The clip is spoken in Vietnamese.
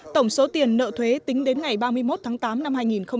tổng số tiền nợ thuế tính đến ngày ba mươi một tháng tám năm hai nghìn một mươi chín